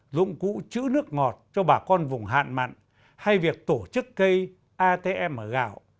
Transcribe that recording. dụng cụ chữ nước ngọt cho bà con vùng hạn mặn hay việc tổ chức cây atm gạo